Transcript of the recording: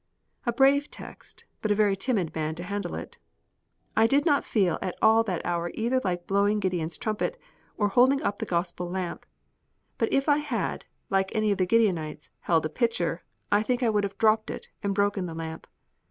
A brave text, but a very timid man to handle it. I did not feel at all that hour either like blowing Gideon's trumpet, or holding up the Gospel lamp; but if I had, like any of the Gideonites, held a pitcher, I think I would have dropped it and broken that lamp.